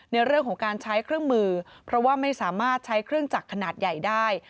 ในเรื่องของการใช้เครื่องมือเพราะว่าไม่สามารถใช้เครื่องจักรขนาดใหญ่ได้